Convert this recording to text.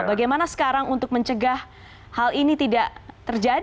bagaimana sekarang untuk mencegah hal ini tidak terjadi